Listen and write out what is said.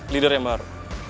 leader yang baru